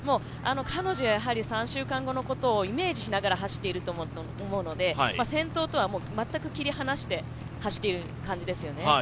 彼女は３週間後のことをイメージしなが走っていると思うので、先頭とは全く切り離して走っている感じですよね。